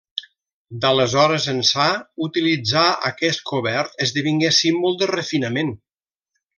D’aleshores ençà utilitzar aquest cobert esdevingué símbol de refinament.